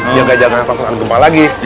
dia gak jaga tanpa ada gempa lagi